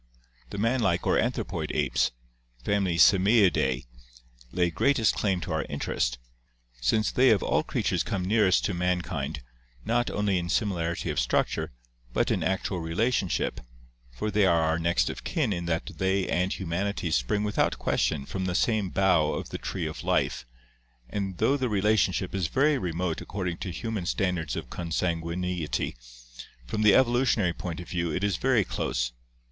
The man like or anthropoid apes, family Simiidce, lay greatest claim to our interest, since they of all creatures come nearest to mankind, not only in similarity of structure, but in actual relation ship, for they are our next of kin in that they and humanity spring without question from the same bough of the tree of life, and though the relationship is very remote according to human stand ards of consanguinity, from the evolutionary point of view it is very close.